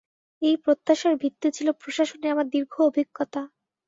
এই প্রত্যাশার ভিত্তি ছিল প্রশাসনে আমার দীর্ঘ অভিজ্ঞতা।